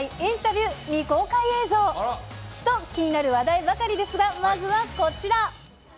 ＩＮＩインタビュー、未公開映像。と気になる話題ばかりですが、まずはこちら。